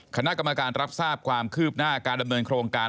คณะกรรมการรับทราบความคืบหน้าการดำเนินโครงการ